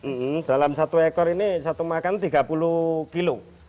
dan dalam satu ekor ini satu makan tiga puluh kilo